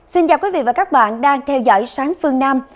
xin chào quý vị và các bạn đang theo dõi sáng phương nam